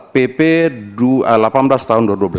pp delapan belas tahun dua ribu dua belas